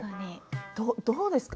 どうですか？